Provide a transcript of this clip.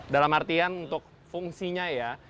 dalam artian untuk fungsinya ya